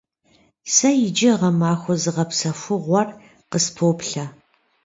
Сэ иджы гъэмахуэ зыгъэпсэхугъуэр къыспоплъэ.